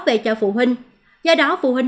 về cho phụ huynh do đó phụ huynh